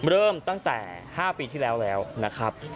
เริ่มตั้งแต่๕ปีที่แล้วแล้วนะครับ